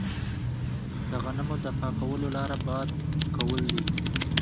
د غنمو د پاکولو لاره باد کول دي.